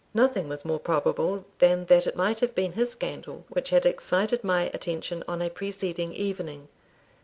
Nothing was more probable than that it might have been his candle which had excited my attention on a preceding evening.